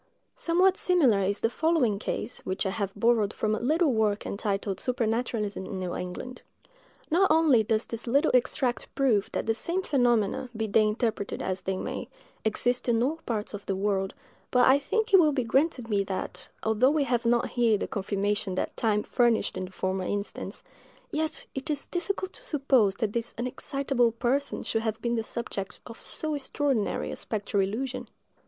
Somewhat similar is the following case, which I have borrowed from a little work entitled "Supernaturalism in New England." Not only does this little extract prove that the same phenomena, be they interpreted as they may, exist in all parts of the world, but I think it will be granted me that, although we have not here the confirmation that time furnished in the former instance, yet it is difficult to suppose that this unexcitable person should have been the subject of so extraordinary a spectral illusion.